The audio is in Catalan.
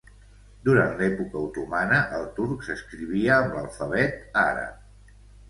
Durant l'època otomana el turc s'escrivia amb l'alfabet àrab.